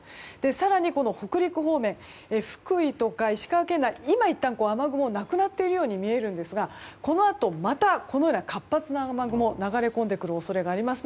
更に北陸方面福井とか石川県内は今、いったん雨雲なくなっているように見えるんですがこのあとまた、このような活発な雨雲が流れ込んでくる恐れがあります。